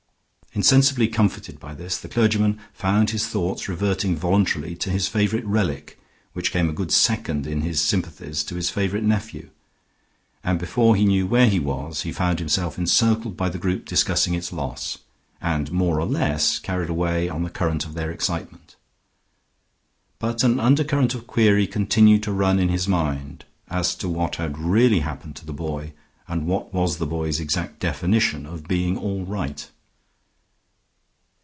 Insensibly comforted by this, the clergyman found his thoughts reverting voluntarily to his favorite relic, which came a good second in his sympathies to his favorite nephew, and before he knew where he was he found himself encircled by the group discussing its loss, and more or less carried away on the current of their excitement. But an undercurrent of query continued to run in his mind, as to what had really happened to the boy, and what was the boy's exact definition of being all right.